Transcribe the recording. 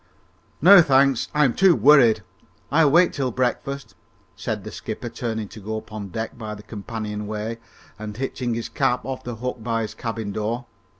"No, thanks; I'm too worried. I'll wait till breakfast," said the skipper, turning to go up on deck by the companion way and hitching his cap off the hook by his cabin door.